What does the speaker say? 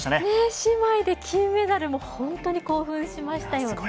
姉妹で金メダルも本当に興奮しましたよね。